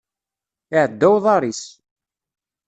Iɛedda uḍar-is.